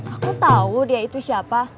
aku tahu dia itu siapa